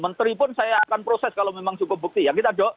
menteri pun saya akan proses kalau memang cukup bukti ya